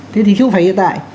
thế thì chứ không phải hiện tại